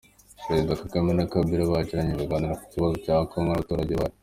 Perezida Kagame na Kabila bagiranye ibiganiro ku kibazo cya kongo Nabaturage Bayo